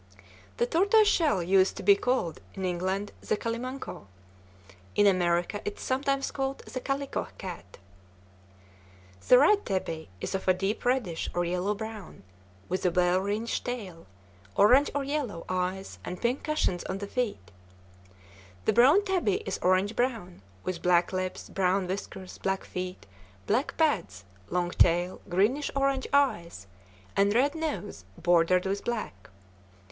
The tortoise shell used to be called, in England, the Calimanco. In America, it is sometimes called the calico cat. The red tabby is of a deep reddish or yellow brown, with a well ringed tail, orange or yellow eyes, and pink cushions to the feet. The brown tabby is orange brown, with black lips, brown whiskers, black feet, black pads, long tail, greenish orange eyes, and red nose bordered with black.